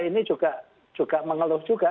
ini juga mengeluh juga